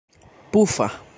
pufa